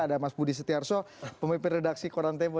ada mas budi setiarso pemimpin redaksi koran tempo